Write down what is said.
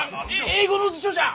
英語の辞書じゃ！